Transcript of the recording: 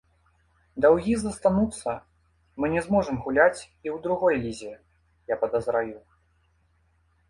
Даўгі застануцца, мы не зможам гуляць і ў другой лізе, я падазраю.